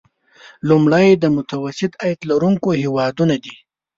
لومړی د متوسط عاید لرونکي هیوادونه دي.